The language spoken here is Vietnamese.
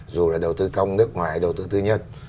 dù là đầu tư công nước ngoài hay đầu tư tư nhân